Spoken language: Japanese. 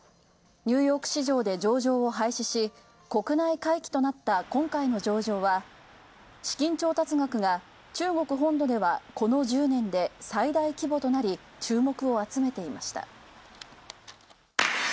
ニューヨーク市場で上場を廃止し国内回帰となった今回の上場は資金調達額が中国本土ではこの１０年で最大規模となり注目を集めていました。